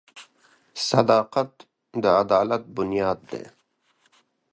• صداقت د عدالت بنیاد دی.